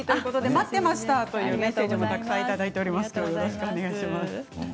待っていましたというメッセージもいただいています。